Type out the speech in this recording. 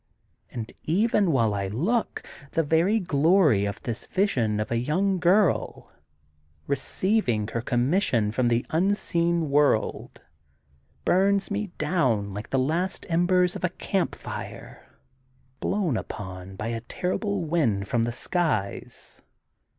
And even while I look, the very glory of this vision of a young girl, receiving her commission from the un seen world, bums me down like the last embers of a campfire blown upon by a ter rible wind from the skies.